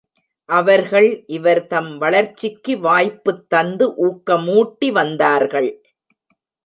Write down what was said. அவர்கள் இவர் தம் வளர்ச்சிக்கு வாய்ப்புத் தந்து ஊக்கமூட்டி வந்தார்கள்.